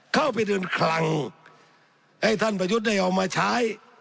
เข้าไปเดินคลังให้ท่านประยุทธ์ได้เอามาใช้